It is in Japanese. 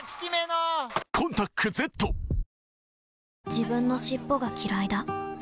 自分の尻尾がきらいだ